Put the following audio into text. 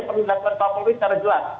perlu dilakukan oleh kapolri secara jelas